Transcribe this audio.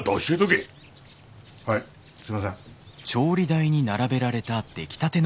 はいすいません。